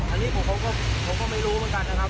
อันนี้ผมก็ไม่รู้เหมือนกันนะครับ